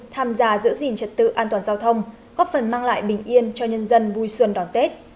tham gia giữ gìn trật tự an toàn giao thông góp phần mang lại bình yên cho nhân dân vui xuân đón tết